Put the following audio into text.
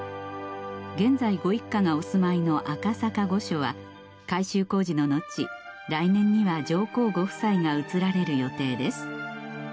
現在ご一家がお住まいの赤坂御所は改修工事の後来年には上皇ご夫妻が移られる予定です